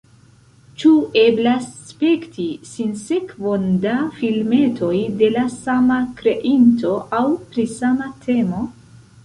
Ĉu eblas spekti sinsekvon da filmetoj de la sama kreinto aŭ pri sama temo?